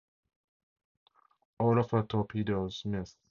All of her torpedoes missed.